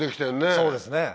そうですね。